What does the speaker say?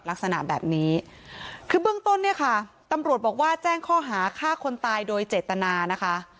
ลักษณะแบบนี้คือเบื้องต้นเนี่ยค่ะตำรวจบอกว่าแจ้งข้อหาฆ่าคนตายโดยเจตนานะคะ